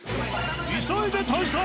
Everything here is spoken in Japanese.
急いで退散！